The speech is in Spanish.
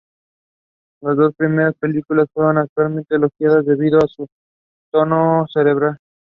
Las dos primeras películas fueron altamente elogiadas debido a su tono cerebral.